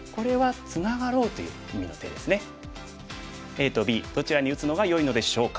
ＡとＢどちらに打つのがよいのでしょうか？